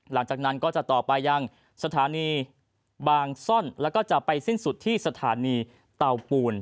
หลังจากนั้นก็จะต่อไปยังสถานีบางซ่อนแล้วก็จะไปสิ้นสุดที่สถานีเตาปูน